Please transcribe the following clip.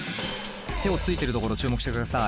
手をついてるところ注目して下さい。